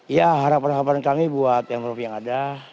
ya harapan harapan kami buat pm prof yang ada